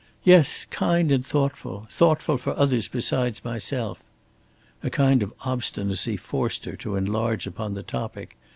"Yes, kind and thoughtful thoughtful for others besides myself." A kind of obstinacy forced her on to enlarge upon the topic.